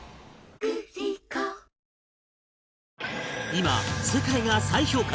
今世界が再評価！